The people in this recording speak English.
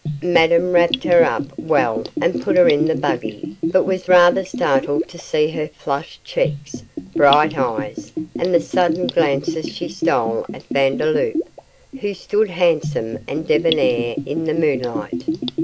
Madame wrapped her up well and put her in the buggy, but was rather startled to see her flushed cheeks, bright eyes, and the sudden glances she stole at Vandeloup, who stood handsome and debonair in the moonlight.